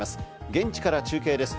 現地から中継です。